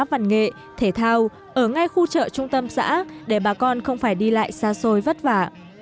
văn nghệ thể thao ở ngay khu chợ trung tâm xã để bà con không phải đi lại xa xôi vất vả